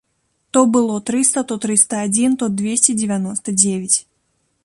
То было трыста, то трыста адзін, то дзвесце дзевяноста дзевяць.